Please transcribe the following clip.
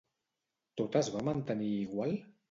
Tot es va mantenir igual?